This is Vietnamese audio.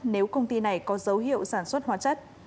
nếu công ty này có dấu hiệu sản xuất hóa chất